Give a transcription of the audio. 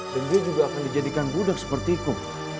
dan dia juga akan dijadikan budak seperti ku